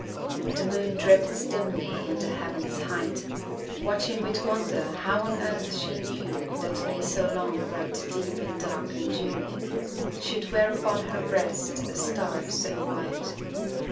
The moon drifts dimly in the heaven's height, Watching with wonder how the earth she knew That lay so long wrapped deep in dark and dew, Should wear upon her breast a star so white.